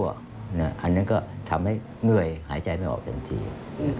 เพราะทำให้เหนื่อยหายใจไม่ออกจนจริง